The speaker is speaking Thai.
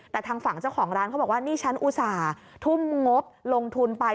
แต่ทางฝั่งเจ้าของร้านเขาบอกว่านี่ฉันอุตส่าห์ทุ่มงบลงทุนไป